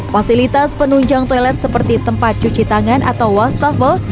fasilitas penunjang toilet seperti tempat cuci tangan atau wastafel